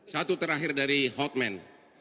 satu terakhir dari hotman